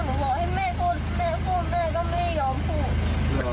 บอกให้แม่พูดแม่พูดแม่ก็ไม่ยอมพูด